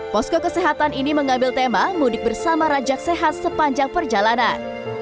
posko kesehatan ini mengambil tema mudik bersama rajak sehat sepanjang perjalanan